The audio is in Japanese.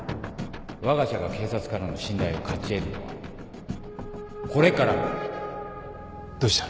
わが社が警察からの信頼を勝ち得るのはこれからどうした？あっ。